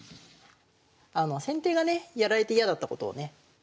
先手がねやられて嫌だったことをね